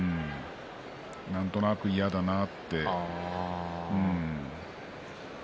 なんとなく嫌だなって。